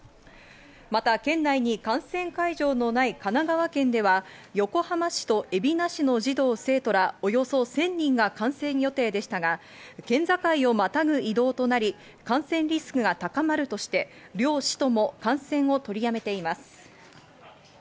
また県内に観戦会場のない神奈川県では横浜市と海老名市の児童生徒らおよそ１０００人が観戦予定でしたが、県境をまたぐ移動となり、感染リスクが高まるとして両市とも感染を取り止めています。